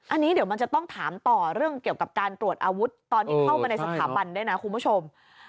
อันนี้เดี๋ยวมันจะต้องถามต่อรเองของการตรวจอาวุธตอนเข้าไปในสถามบันได้นะคุณผู้ชม